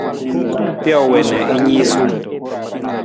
Pijo wii na i niisuu.